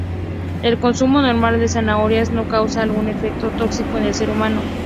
El consumo normal de zanahorias no causa algún efecto tóxico en el ser humano.